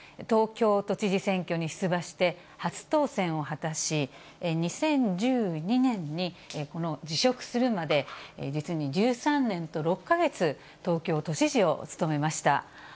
東京都知事選挙に出馬して初当選を果たし、２０１２年に辞職するまで、実に１３年と６か月、東京都知事を務めました。